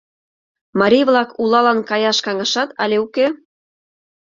Марий-влак улалан каяш каҥашат але уке?